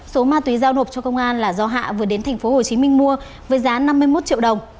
số ma túy giao nộp cho công an là do hạ vừa đến tp hồ chí minh mua với giá năm mươi một triệu đồng